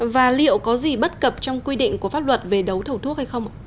và liệu có gì bất cập trong quy định của pháp luật về đấu thầu thuốc hay không ạ